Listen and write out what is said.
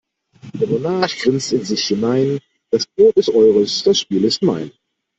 Der Monarch grinst in sich hinein: Das Brot ist eures, das Spiel ist mein.